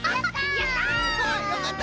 やった！